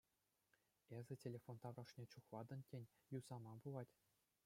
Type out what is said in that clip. Эсӗ телефон таврашне чухлатӑн, тен, юсама пулать?